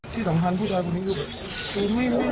คือสำคัญพูดถึงครับคุณนี้คือ